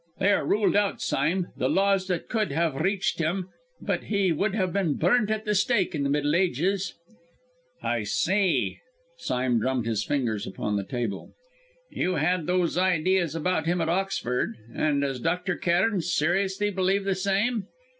"They are ruled out, Sime, the laws that could have reached him; but he would have been burnt at the stake in the Middle Ages!" "I see." Sime drummed his fingers upon the table. "You had those ideas about him at Oxford; and does Dr. Cairn seriously believe the same?"